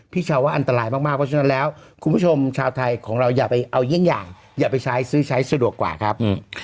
ชาวว่าอันตรายมากเพราะฉะนั้นแล้วคุณผู้ชมชาวไทยของเราอย่าไปเอาเยี่ยงอย่างอย่าไปใช้ซื้อใช้สะดวกกว่าครับ